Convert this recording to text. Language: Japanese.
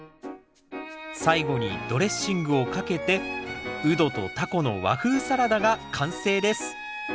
最後にドレッシングをかけてウドとタコの和風サラダが完成です